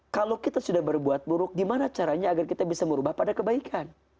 kalau kita sudah berbuat buruk gimana caranya agar kita bisa merubah pada kebaikan